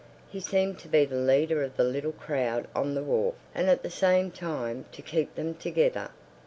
He seemed to be the leader of the little crowd on the wharf and at the same time to keep them together.